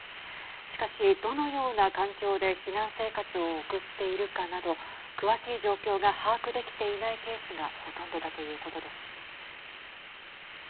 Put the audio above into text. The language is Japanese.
しかし、どのような環境で避難生活を送っているかなど詳しい状況が把握できていないケースがほとんどだということです。